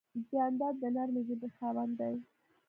جانداد د نرمې ژبې خاوند دی.